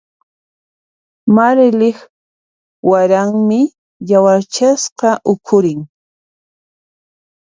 Marilyq waranmi yawarchasqa ukhurin.